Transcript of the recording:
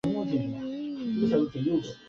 她在后来的访问也常说很感谢森美。